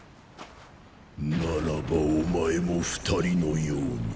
ならばお前も二人のように。